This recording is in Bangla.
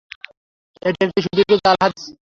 এটি একটি সুদীর্ঘ জাল হাদীস।